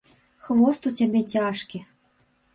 Хвост у цябе цяжкі.